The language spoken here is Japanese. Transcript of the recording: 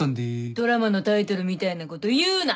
ドラマのタイトルみたいなこと言うな！